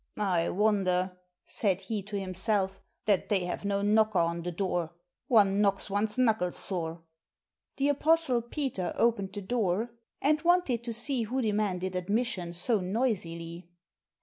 "I wonder," said he to himself, "that they have no knocker on the door,—one knocks one's knuckles sore." The apostle Peter opened the door, and wanted to see who demanded admission so noisily.